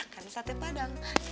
kan sate padang